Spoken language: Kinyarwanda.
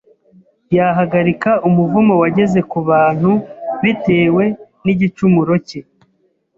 yahagarika umuvumo wageze ku bantu bitewe n’igicumuro cye.